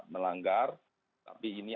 melanggar tapi ini